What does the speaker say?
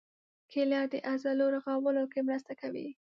کېله د عضلو رغولو کې مرسته کوي.